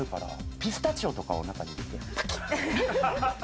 ピスタチオとかを中に入れてパキって。